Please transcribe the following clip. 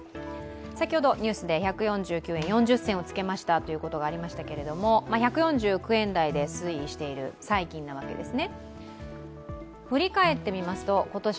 先ほどニュースで１４９円４０銭をつけましたというとでしたが１４９円台で推移している最近なわけです。